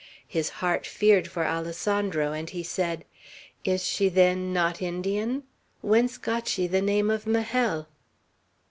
His heart feared for Alessandro, and he said, "Is she, then, not Indian? Whence got she the name of Majel?"